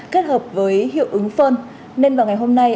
kết hợp với hiệu ứng phơn nên vào ngày hôm nay